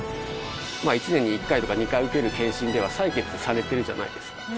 １年に１回とか２回受ける健診では採血されてるじゃないですか。